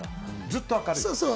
ずっと明るい。